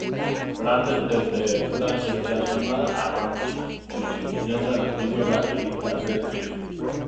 Branden desde entonces se ha sumado a Rancid sustituyendo al antiguo baterista Brett Reed.